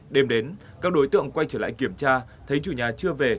đêm đến các đối tượng quay trở lại kiểm tra thấy chủ nhà chưa về